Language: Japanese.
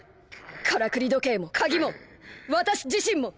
からくり時計も鍵も私自身も！